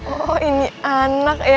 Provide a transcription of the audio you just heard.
oh ini anak ya